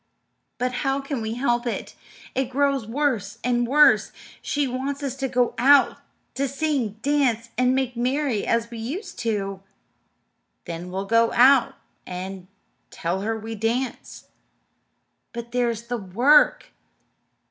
"But how can we help it? It grows worse and worse. She wants us to go out to sing, dance, and make merry as we used to." "Then we'll go out and tell her we dance." "But there's the work."